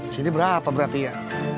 sini berapa berarti ya